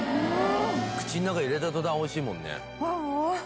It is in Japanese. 口の中入れた途端美味しいもんね。